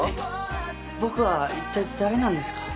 僕は一体誰なんですか？